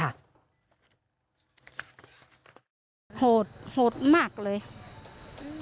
โหดโหดมากเลย